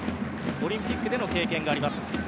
オリンピックでの経験があります。